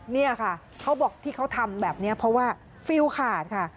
นี่ค่ะเขาบอกที่เขาทำแบบนี้เพราะว่าฟิลขาดค่ะ